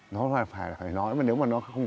nó phải nói mà nếu mà nó không